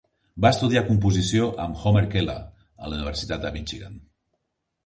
Va estudiar composició amb Homer Keller a la Universitat de Michigan.